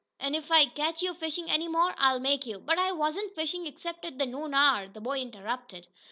An' if I catch you fishin' any more, I'll make you " "But I wasn't fishin' except at the noon hour," the boy interrupted.